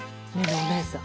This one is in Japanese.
えお姉さん。